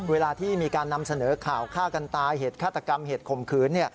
เวลาที่มีการนำเสนอข่าวฆ่ากันตายเหตุฆาตกรรมเหตุข่มขืน